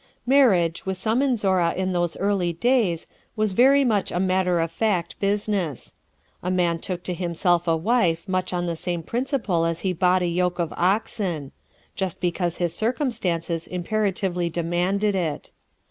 Marriage, with some in Zorra in those early days, was very much a matter of fact business. A man took to himself a wife much on the same principle as he bought a yoke of oxen—just because his circumstances imperatively demanded it.